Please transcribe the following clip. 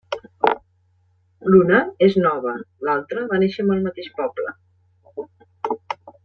L'una és nova, l'altra va néixer amb el mateix poble.